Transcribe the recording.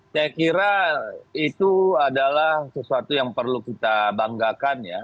saya kira itu adalah sesuatu yang perlu kita banggakan ya